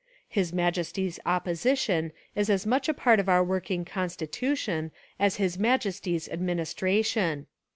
His Majesty's Opposition is as much a part of our working constitution as His Majesty's admin istration.